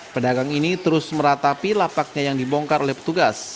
pedagang ini terus meratapi lapaknya yang dibongkar oleh petugas